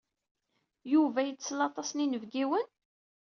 Yuba yettel aṭas n yinebgiwen?